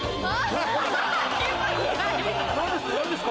何ですか？